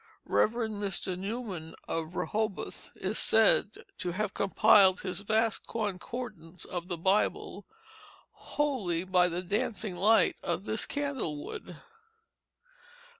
Rev. Mr. Newman, of Rehoboth, is said to have compiled his vast concordance of the Bible wholly by the dancing light of this candle wood.